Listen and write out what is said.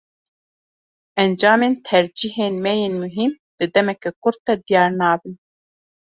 Encamên tercîhên me yên muhîm, di demeke kurt de diyar nabin.